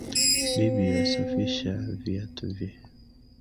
Bibi yuasafisha viyatu vye